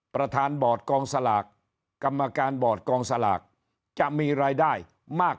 ประธานบอร์ดกองสลากกรรมการบอร์ดกองสลากจะมีรายได้มาก